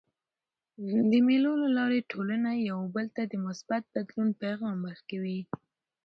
د مېلو له لاري ټولنه یو بل ته د مثبت بدلون پیغام ورکوي.